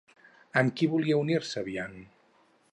Amb qui volia unir-se Biant?